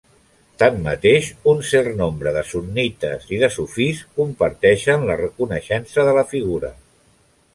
Tanmateix, un cert nombre de sunnites i de sufís comparteixen la reconeixença de la figura.